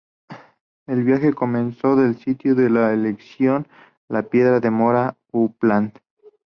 El viaje comenzó del sitio de la elección, la piedra de Mora en Uppland.